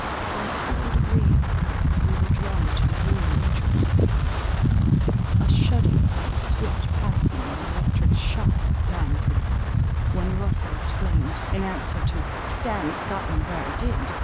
By slow degrees however we were drawn to the real interest of the scene. A shudder like the swift passing of an electric shock ran through the house, when Rosse exclaimed, in answer to "Stands Scotland where it did?"